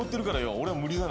俺は無理だな。